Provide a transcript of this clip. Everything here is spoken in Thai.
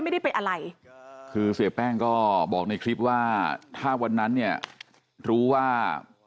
ไม่ได้ไปอะไรคือเสียแป้งก็บอกในคลิปว่าถ้าวันนั้นเนี่ยรู้ว่า